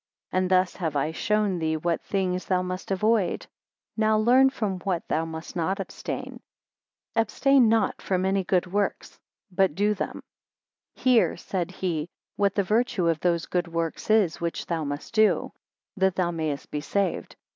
And thus have I shown thee what things thou must avoid: now learn from what thou must not abstain. 8 Abstain not from any good works, but do them. Hear, said he, what the virtue of those good works is which thou must do, that thou mayest be saved.